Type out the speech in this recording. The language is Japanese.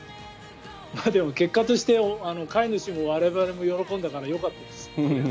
でも結果として飼い主も我々も喜んだから、よかったです。